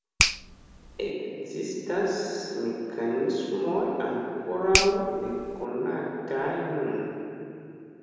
Ekzistas mekanismoj ankoraŭ nekonataj nun.